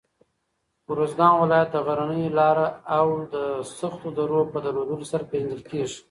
اروزګان ولایت د غرنیو لاره او سختو درو په درلودلو سره پېژندل کېږي.